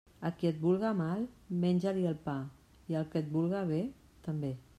A qui et vulga mal, menja-li el pa, i al que et vulga bé, també.